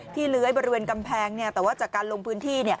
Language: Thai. เลื้อยบริเวณกำแพงแต่ว่าจากการลงพื้นที่